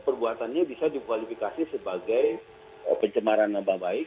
perbuatannya bisa dikualifikasi sebagai pencemaran nama baik